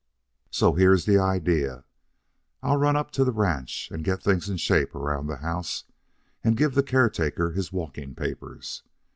So here's the idea: I'll run up to the ranch and get things in shape around the house and give the caretaker his walking papers.